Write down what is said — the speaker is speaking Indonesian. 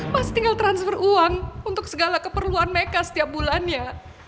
mas tinggal transfer uang untuk segala keperluan mereka setiap bulannya